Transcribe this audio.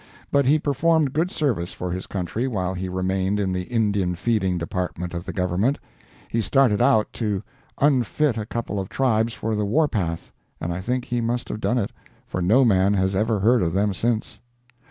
But he performed good service for his country while he remained in the Indian feeding department of the Government. He started out to unfit a couple of tribes for the war path, and I think he must have done it, for no man has ever heard of them since.